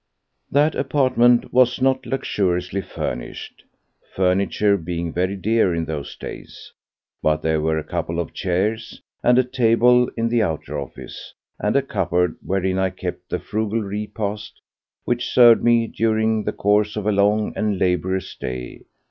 That apartment was not luxuriously furnished—furniture being very dear in those days—but there were a couple of chairs and a table in the outer office, and a cupboard wherein I kept the frugal repast which served me during the course of a long and laborious day.